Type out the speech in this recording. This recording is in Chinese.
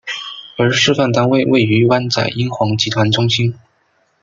而示范单位设于湾仔英皇集团中心。